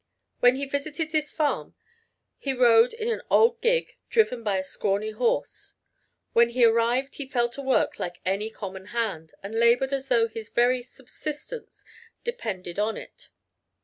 When he visited this farm he rode in an old gig drawn by a scrawny horse; when he arrived he fell to work like any common hand, and labored as though his very subsistence depended on it.